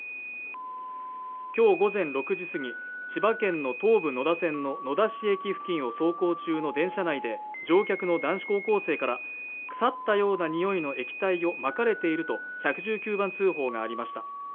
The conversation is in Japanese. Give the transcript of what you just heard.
今日午前６時過ぎ千葉県の東武野田線の野田市駅付近を走行中の電車内で乗客の男子高校生から腐ったような臭いの液体をまかれていると１１９番通報がありました